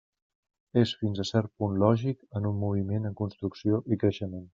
És fins a cert punt lògic en un moviment en construcció i creixement.